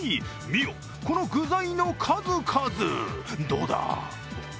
見よ、この具材の数々、どうだ！